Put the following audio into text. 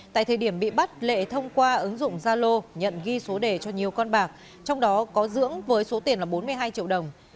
tại thời điểm bị bắt lệ thông qua ứng dụng zalo nhận ghi số đề cho nhiều con bạc trong đó có dưỡng với số tiền là bốn mươi hai triệu đồng